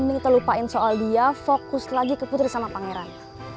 ini kita lupain soal dia fokus lagi ke putri sama pangeran